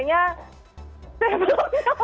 saya belum tahu